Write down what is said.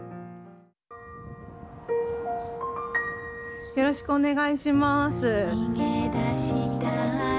よろしくお願いします。